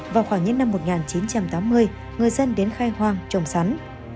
vào khoảng những năm một nghìn chín trăm tám mươi người dân đến khai hoang trồng sắn